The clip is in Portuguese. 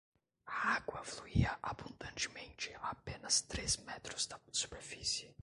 A água fluía abundantemente a apenas três metros da superfície.